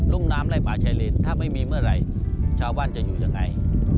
ุ่มน้ำไล่ป่าชายเลนถ้าไม่มีเมื่อไหร่ชาวบ้านจะอยู่ยังไง